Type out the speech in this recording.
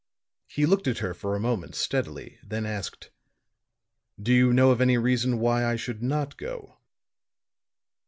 He looked at her for a moment steadily, then asked: "Do you know of any reason why I should not go?"